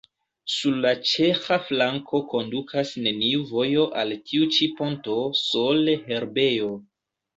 Sur la ĉeĥa flanko kondukas neniu vojo al tiu ĉi ponto, sole herbejo.